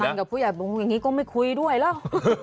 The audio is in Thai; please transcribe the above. กับผู้ใหญ่บุงอย่างนี้ก็ไม่คุยด้วยแล้ว